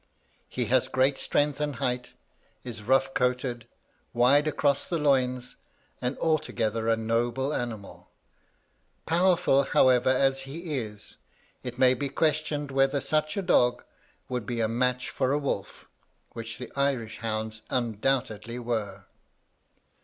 He has great strength and height, is rough coated, wide across the loins, and altogether a noble animal. Powerful, however as he is, it may be questioned whether such a dog would be a match for a wolf, which the Irish hounds undoubtedly were.